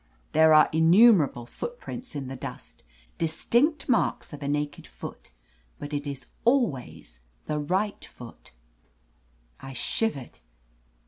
There are innumerable footprints in the dust, distinct marks of a naked foot. But it is al ways the right foot !" I shivered.